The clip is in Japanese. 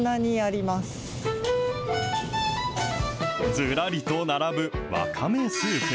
ずらりと並ぶわかめスープ。